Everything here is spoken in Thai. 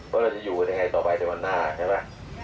ว่าเราจะอยู่กันยังไงต่อไปในวันหน้าใช่ไหม